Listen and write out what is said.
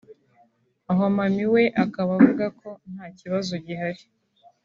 Romami we akaba avuga ko nta kibazo gihari